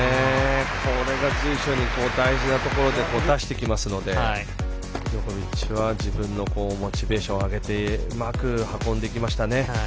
これが随所に大事なところで出してきますのでジョコビッチは自分のモチベーションを上げてうまく運んでいきましたね。